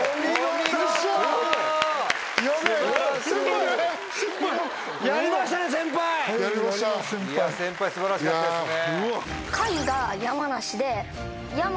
いや先輩素晴らしかったですね。